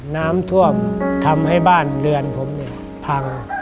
น้ำท่วมทำให้บ้านเรือนผมเนี่ยพัง